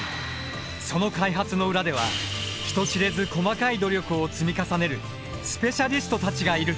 その開発の裏では人知れず細かい努力を積み重ねるスペシャリストたちがいる。